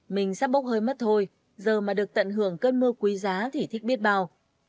mình sắp bốc hơi mất thôi giờ mà được tận hưởng cơn mưa quý giá thì thích biết bao